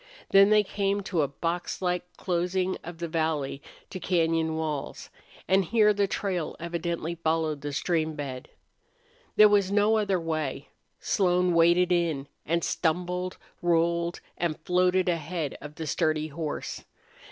Then they came to a boxlike closing of the valley to cañon walls, and here the trail evidently followed the stream bed. There was no other way. Slone waded in, and stumbled, rolled, and floated ahead of the sturdy horse.